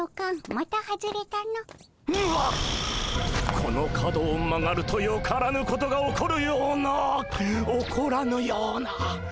この角を曲がるとよからぬことが起こるような起こらぬような。